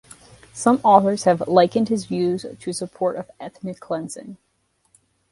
Some authors have likened his views to support of ethnic cleansing.